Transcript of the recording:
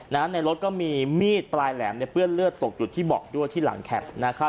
นะฮะในรถก็มีมีดปลายแหลมในเปื้อนเลือดตกจุดที่บอกด้วยที่หลังแคปนะฮะ